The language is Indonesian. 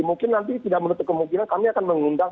mungkin nanti tidak menutup kemungkinan kami akan mengundang